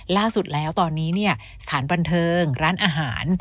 ล่าสุดแล้วตอนนี้เนี่ยสถานบันเทิงร้านอาหาร